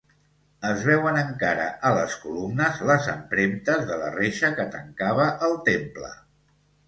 Es veuen encara a les columnes les empremtes de la reixa que tancava el temple.